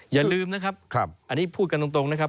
อย่าลืมนะครับอันนี้พูดกันตรงนะครับ